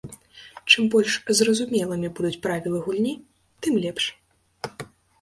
Чым больш зразумелымі будуць правілы гульні, тым лепш.